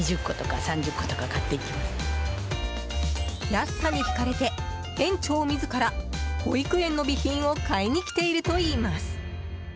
安さにひかれて園長自ら保育園の備品を買いに来ているといいます。